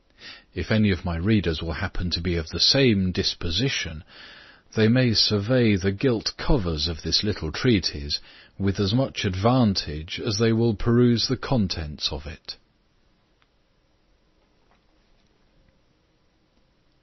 If any of my readers happen to be of the same disposition, they may survey the gilt covers of this little treatise with as much advantage as they will peruse the contents of it.